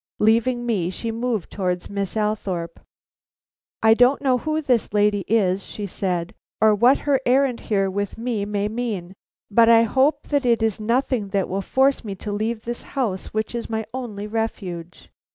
Leaving me, she moved towards Miss Althorpe. "I don't know who this lady is," said she, "or what her errand here with me may mean. But I hope that it is nothing that will force me to leave this house which is my only refuge."